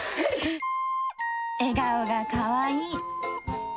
笑顔がかわいい。